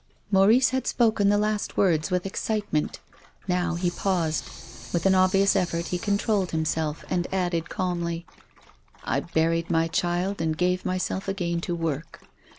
Maurice had spoken the last words with excite ment. Now he paused. With an obvious effort he controlled himself and added calmly :" I buried my child and gave myself again to work.